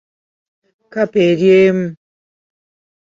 Kkapa eri emu .